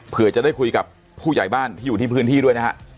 เพื่อจะได้คุยกับผู้ใหญ่บ้านที่อยู่ที่พื้นที่ด้วยนะฮะ